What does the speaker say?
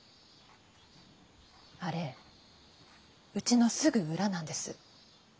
あれうちのすぐ裏なんです。